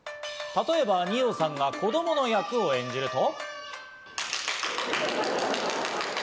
例えば二葉さんが子供の役を演じると。